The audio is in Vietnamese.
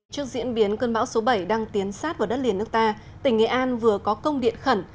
trước diễn biến cơn bão số bảy đang tiến sát vào đất liền nước ta tỉnh nghệ an vừa có công điện khẩn